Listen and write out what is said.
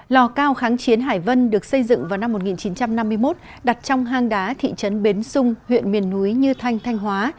lò cao kháng chiến hải vân được xây dựng vào năm một nghìn chín trăm năm mươi một đặt trong hang đá thị trấn bến xung huyện miền núi như thanh thanh hóa